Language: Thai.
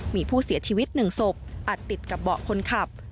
มีผู้เสียชีวิต๑ศพอัดติดกับเบาะคนขับ